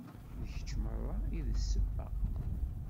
D kečč merra i d ssebba